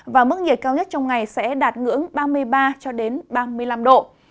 và mức nhiệt cao nhất trong ngày sẽ đạt ngưỡng ba mươi ba ba mươi năm độ